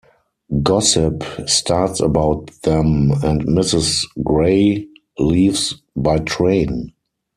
Gossip starts about them and Mrs Gray leaves by train.